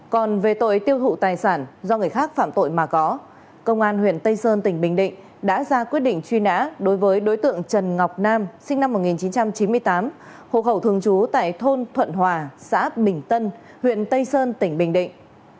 còn về tội tiêu thụ tài sản do người khác phạm tội mà có công an huyện tây sơn tỉnh bình định đã ra quyết định truy nã đối với đối tượng trần ngọc nam sinh năm một nghìn chín trăm chín mươi tám hộ khẩu thường trú tại thôn thuận hòa xã bình tân huyện tây sơn tỉnh bình định